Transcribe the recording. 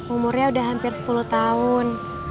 umurnya udah hampir sepuluh tahun